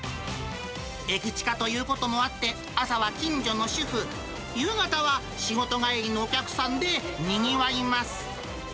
駅チカということもあって、朝は近所の主婦、夕方は仕事帰りのお客さんでにぎわいます。